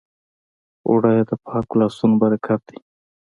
اوړه د پاکو لاسو برکت دی